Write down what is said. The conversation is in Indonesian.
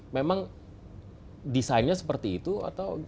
memang desainnya seperti itu atau